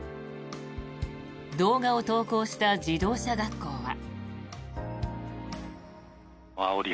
動画を投稿した自動車学校は。